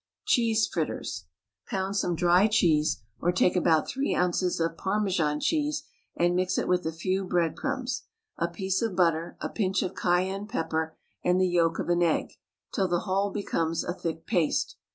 CHEESE FRITTERS. Pound some dry cheese, or take about three ounces of Parmesan cheese, and mix it with a few bread crumbs, a piece of butter, a pinch of cayenne pepper, and the yolk of an egg, till the whole becomes a thick paste.